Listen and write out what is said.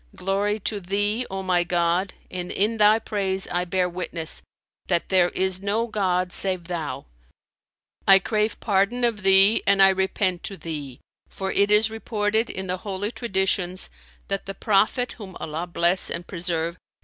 Glory to Thee, O my God, and in Thy praise I bear witness, that there is no god save Thou! I crave pardon of Thee and I repent to Thee! For it is reported, in the Holy Traditions, that the Prophet (whom Allah bless and preserve!)